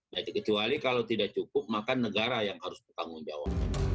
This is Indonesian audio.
nah kecuali kalau tidak cukup maka negara yang harus bertanggung jawab